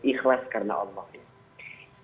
ikhlas karena allah